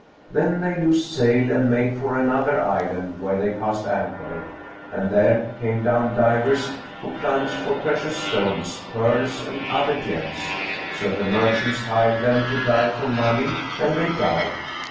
Then they loosed sail and made for another island, where they cast anchor; and there came down divers, who plunged for precious stones, pearls and other gems; so the merchants hired them to dive for money and they dived.